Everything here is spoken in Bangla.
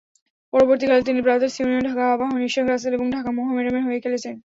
পরবর্তীকালে, তিনি ব্রাদার্স ইউনিয়ন, ঢাকা আবাহনী, শেখ রাসেল এবং ঢাকা মোহামেডানের হয়ে খেলেছেন।